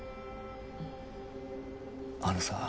あのさ